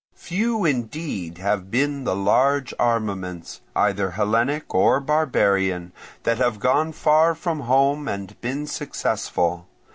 Few indeed have been the large armaments, either Hellenic or barbarian, that have gone far from home and been successful.